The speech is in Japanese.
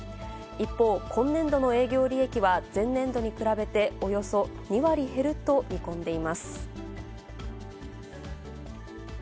一方、今年度の営業利益は前年度にに比べておよそ２割減ると見込んでいます。